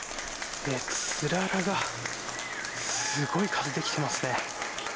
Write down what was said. つららがすごい数できてますね。